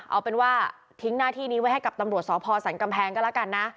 เอาเป็นว่าทิ้งหน้าที่นี้ไว้ให้กับตำรวจสพสันกำแพงก็แล้วกันนะ